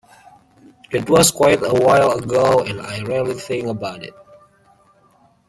That was quite a while ago and I rarely think about it.